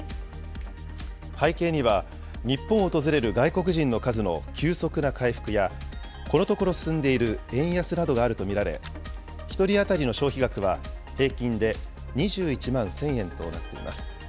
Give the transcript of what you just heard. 背景には、日本を訪れる外国人の数の急速な回復や、このところ進んでいる円安などがあると見られ、１人当たりの消費額は平均で２１万１０００円となっています。